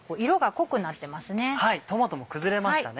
トマトも崩れましたね。